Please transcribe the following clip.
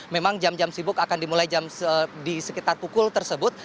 memang jam jam sibuk akan dimulai di sekitar pukul tersebut